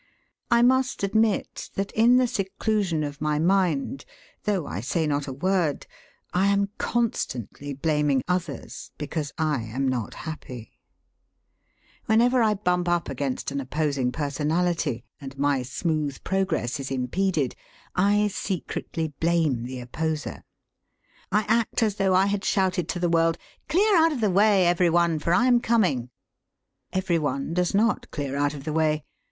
I must admit that in the seclusion of my mind, though I say not a word, I am constantly blaming others because I am not happy. Whenever I bump up against an opposing personality and my smooth progress is impeded, I secretly blame the opposer. I act as though I had shouted to the world: 'Clear out of the way, every one, for I am coming!' Every one does not clear out of the way.